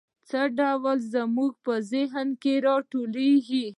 څه ډول زموږ په ذهن کې را ټوکېږي؟